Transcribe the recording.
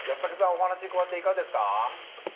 お話伺っていかがですか？